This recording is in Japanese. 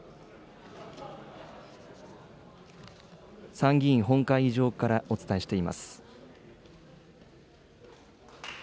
参議院本会議場からお伝えしています。